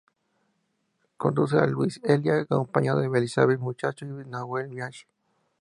Conduce Luis D´Elia acompañado de Elizabeth Machado y Nahuel Bianchi.